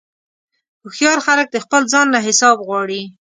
هوښیار خلک د خپل ځان نه حساب غواړي.